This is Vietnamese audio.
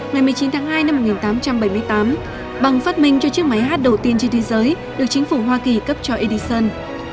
ngày một mươi chín tháng hai năm một nghìn tám trăm bảy mươi tám bằng phát minh cho chiếc máy hát đầu tiên trên thế giới được chính phủ hoa kỳ cấp cho edison